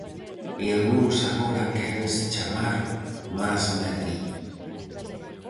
E algúns agora quérense chamar Más Madrid.